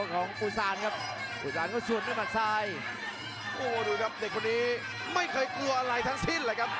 ก็ส่วนได้ตกให้คุณสามารถไซค์มันดูครับเด็กคนนี้ไม่เคยกลัวอะไรทั้งสิ้นเลยครับ